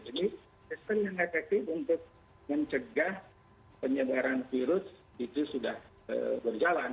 jadi sesuai yang efektif untuk mencegah penyebaran virus itu sudah berjalan